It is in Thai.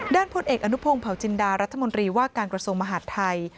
พลเอกอนุพงศ์เผาจินดารัฐมนตรีว่าการกระทรวงมหาดไทย